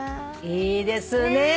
いいですね。